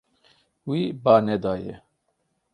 Wî ba nedaye.